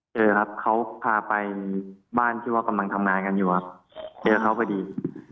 เจอครับเขาพาไปบ้านที่ว่ากำลังทำงานกันอยู่ครับเจอเขาพอดี